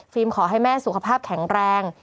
ขอให้แม่สุขภาพแข็งแรง